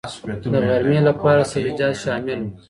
د غرمې لپاره سبزيجات شامل وو.